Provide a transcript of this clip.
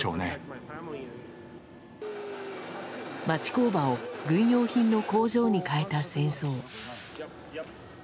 町工場を軍用品の工場に変えた戦争。